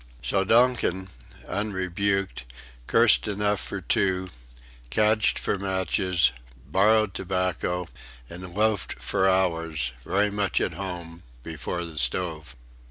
So Donkin, unrebuked, cursed enough for two, cadged for matches, borrowed tobacco, and loafed for hours, very much at home, before the stove.